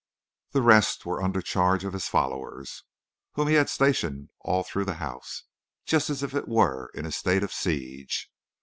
"The rest were under charge of his followers, whom he had stationed all through the house, just as if it were in a state of siege.